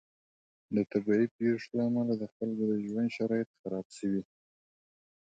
د طبعي پیښو له امله د خلکو د ژوند شرایط خراب شوي.